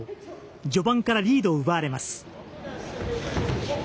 序盤からリードを奪われます。